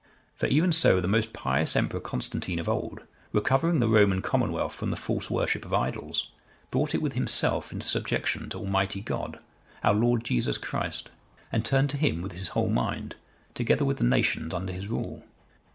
"For even so the most pious emperor, Constantine, of old, recovering the Roman commonwealth from the false worship of idols, brought it with himself into subjection to Almighty God, our Lord Jesus Christ, and turned to Him with his whole mind, together with the nations under his rule.